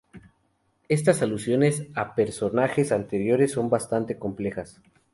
Estas alusiones a personajes anteriores son bastante complejas.